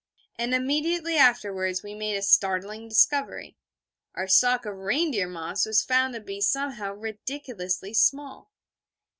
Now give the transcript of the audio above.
And immediately afterwards we made a startling discovery: our stock of reindeer moss was found to be somehow ridiculously small.